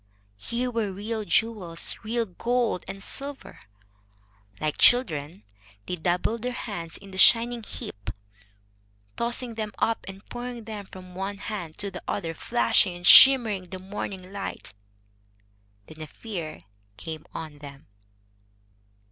Here were real jewels, real gold and silver. Like children, they dabbled their hands in the shining heap, tossing them up and pouring them from one hand to the other, flashing and shimmering in the morning light. Then a fear came on them.